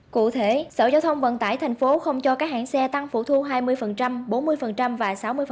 cụ thể sở giao thông vận tải thành phố không cho các hãng xe tăng phụ thu hai mươi bốn mươi và sáu mươi